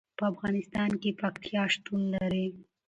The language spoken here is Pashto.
په افغانستان کې پکتیا شتون لري.